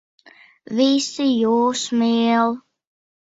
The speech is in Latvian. Visi jūs mīl.